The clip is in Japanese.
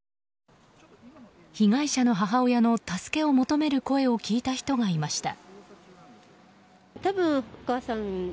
被害者の母親の助けを求める声を聞いた人がいました。